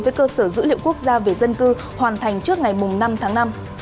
với cơ sở dữ liệu quốc gia về dân cư hoàn thành trước ngày năm tháng năm